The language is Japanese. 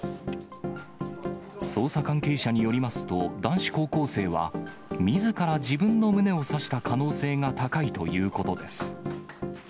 捜査関係者によりますと、男子高校生は、みずから自分の胸を刺した可能性が高いということです。